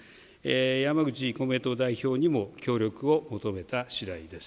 山口公明党代表にも協力を求めたしだいです。